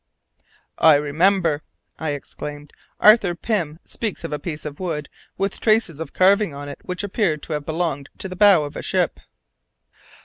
"I remember!" I exclaimed; "Arthur Pym speaks of a piece of wood with traces of carving on it which appeared to have belonged to the bow of a ship."